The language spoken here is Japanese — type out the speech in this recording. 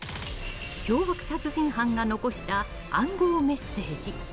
凶悪殺人犯が残した暗号メッセージ。